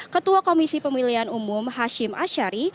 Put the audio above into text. ketua komisi pemilihan umum hashim ashari